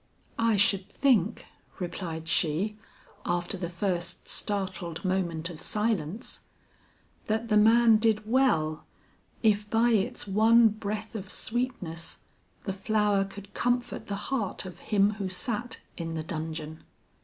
"I should think," replied she, after the first startled moment of silence, "that the man did well, if by its one breath of sweetness, the flower could comfort the heart of him who sat in the dungeon."